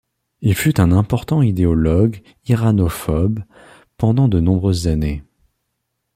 Il fut un important idéologue iranophobe pendant de nombreuses années.